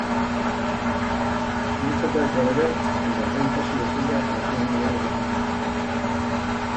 Tenía falta de trabayar en dalgún casu y aquella paecía una bona oportunidá.